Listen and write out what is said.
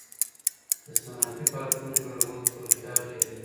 د صنعتي پارکونو جوړول تولیدات ډیروي.